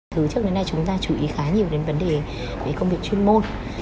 từ trước đến nay chúng ta chú ý khá nhiều đến vấn đề công việc chuyên môn